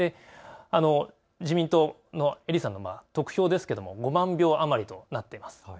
自民党の英利さんの得票ですけれども５万票余りとなっています。